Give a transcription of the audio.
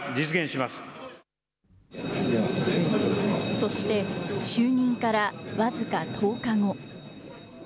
そして、就任から僅か１０日後。